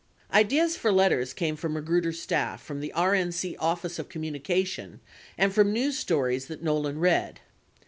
30 Ideas for letters came from Magruder's staff, from the RNC Office of Communications and from news stories that Nolan read.